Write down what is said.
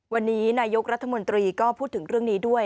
วันนี้นายกรัฐมนตรีก็พูดถึงเรื่องนี้ด้วย